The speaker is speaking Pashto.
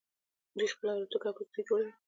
دوی خپله الوتکې او کښتۍ جوړوي.